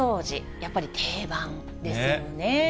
やっぱり定番ですよね。